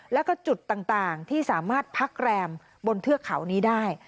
แล้วก็จุดต่างที่สามารถพักแรมบนเทือกเขานี้ได้